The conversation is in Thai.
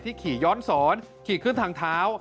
ที่ขี่ย้อนศรขี่ขึ้นทางเท้า